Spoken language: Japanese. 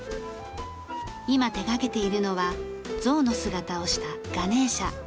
今手掛けているのはゾウの姿をしたガネーシャ。